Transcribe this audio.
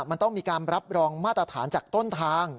มันต้องมีการรับรองมาตรฐานจากต้นทาง